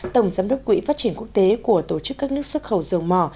tổng giám đốc quỹ phát triển quốc tế của tổ chức các nước xuất khẩu dầu mỏ